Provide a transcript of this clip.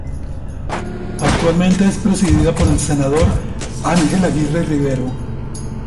Actualmente es presidida por el Senador Ángel Aguirre Rivero.